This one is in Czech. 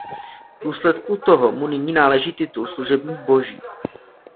V důsledku toho mu nyní náleží titul Služebník Boží.